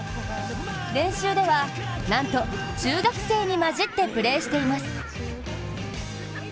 練習ではなんと、中学生に交じってプレーしています。